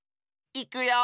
いくよ！